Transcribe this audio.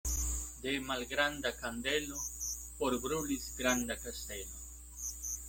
De malgranda kandelo forbrulis granda kastelo.